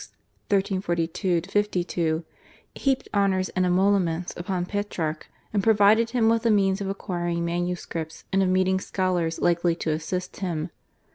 (1342 52), heaped honours and emoluments upon Petrarch and provided him with the means of acquiring manuscripts and of meeting scholars likely to assist him.